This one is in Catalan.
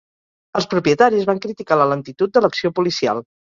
Els propietaris van criticar la lentitud de l'acció policial.